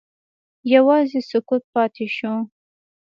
یوازې سکوت پاتې شو.